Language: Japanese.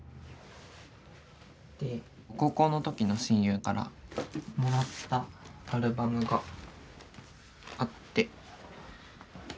高校の時の親友からもらったアルバムがあって。